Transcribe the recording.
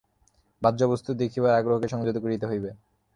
বাহ্যবস্তু দেখিবার আগ্রহকে সংযত করিতে হইবে।